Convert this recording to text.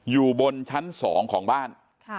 อยู่บนชั้น๒ของบ้าน